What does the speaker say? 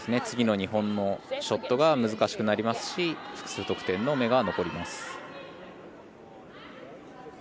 次の日本のショットが難しくなりますし複数得点の目が残ります。